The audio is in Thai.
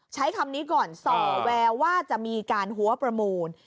ใช้คำนี้ก่อนส่อแววว่าจะมีการหัวประมูล